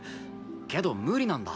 けど無理なんだ。